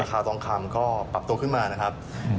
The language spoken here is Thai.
ราคาทองคำก็ปรับตัวขึ้นมานะครับ